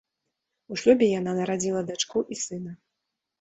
У шлюбе яна нарадзіла дачку і сына.